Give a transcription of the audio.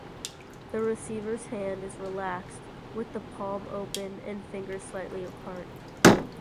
The receiver's hand is relaxed, with the palm open and fingers slightly apart.